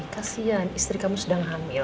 kasian istri kamu sedang hamil